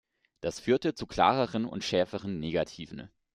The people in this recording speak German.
Das führte zu klareren und schärferen Negativen.